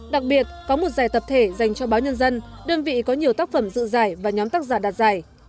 đặc biệt có một giải tập thể dành cho báo nhân dân đơn vị có nhiều tác phẩm dự giải và nhóm tác giả đạt giải